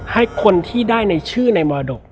ให้คนที่ได้ในชื่อในมรดก